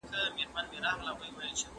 غم نازل د آس بېلتون سو